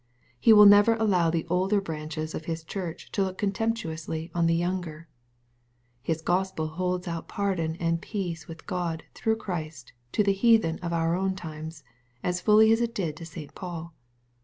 He will never allow the older branches of His church to look contemptuously on the younger. His Gospel holds out pardon and peace with God through Christ to the heathen of our own times, as fully as it did to St. Paul.